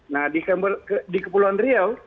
nah di kepulauan riau